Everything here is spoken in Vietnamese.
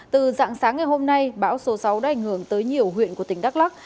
từ dạng sáng ngày hôm nay bão số sáu đã ảnh hưởng tới nhiều huyện của tỉnh đắk lắc